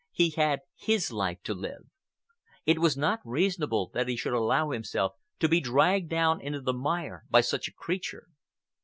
He had his life to live. It was not reasonable that he should allow himself to be dragged down into the mire by such a creature.